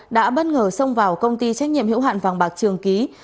đã bất ngờ xông vào công ty trách nhiệm hữu hạn vàng bạc trường ký